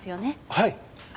はい。